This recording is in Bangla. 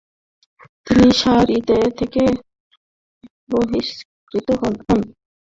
তিনি শারিতে থেকে বহিষ্কৃত হন।